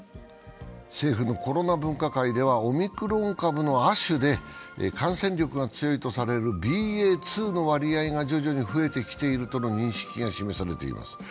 政府のコロナ分科会ではオミクロン株の亜種で感染力が強いとされるＢＡ．２の割合が徐々に増えてきているとの認識が示されています。